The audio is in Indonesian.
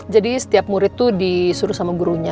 jadi setiap murid tuh disuruh sama gurunya